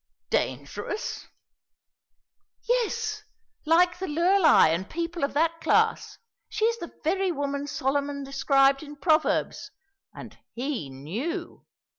"Dangerous?" "Yes, like the Lurlei and people of that class. She is the very woman Solomon described in Proverbs and he knew.